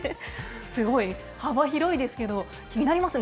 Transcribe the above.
すごい幅広いですけど、気になりますね。